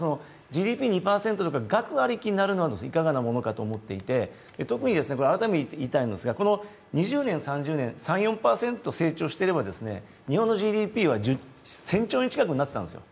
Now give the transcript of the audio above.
ただ、ＧＤＰ２％とか額ありきになるのはいかがかなと思っていて、特に改めて言いたいのが、この２０年、３０年、３４％成長していれば、日本のＧＤＰは１０００兆円近くになっていたんですよ。